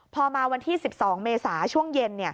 พอมาวันที่๑๒เมษาช่วงเย็น